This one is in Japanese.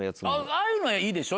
ああいうのはいいでしょ？